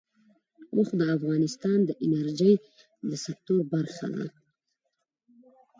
اوښ د افغانستان د انرژۍ سکتور برخه ده.